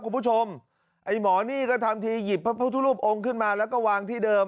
คุณผู้ชมไอ้หมอนี่ก็ทำทีหยิบพระพุทธรูปองค์ขึ้นมาแล้วก็วางที่เดิม